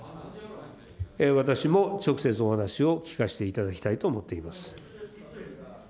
私も直接お話を聞かせていただきたいと思っています。